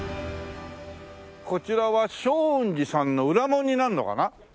こちらは祥雲寺さんの裏門になるのかな？